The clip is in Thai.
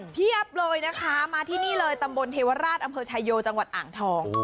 เพียบเลยนะคะมาที่นี่เลยตำบลเทวราชอำเภอชายโยจังหวัดอ่างทอง